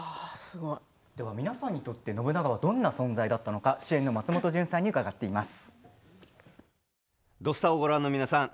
皆さんにとって信長はどんな存在だったのか主演の松本潤さんに伺っています。